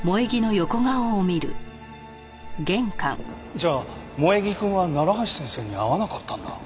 じゃあ萌衣くんは楢橋先生に会わなかったんだ。